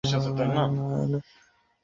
তুমি আমাকে এভাবে ছেড়ে ফ্রান্সে যেতে পারোনা!